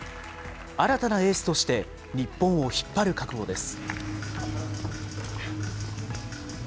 新たなエースとして、日本を引っ張る覚悟です。